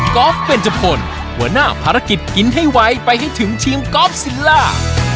อล์ฟเบนจพลหัวหน้าภารกิจกินให้ไวไปให้ถึงทีมกอล์ฟซิลล่า